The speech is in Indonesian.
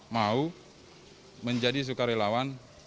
mau menjadi sukarelawan